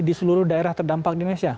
di seluruh daerah terdampak di indonesia